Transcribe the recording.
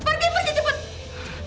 pergi pergi cepet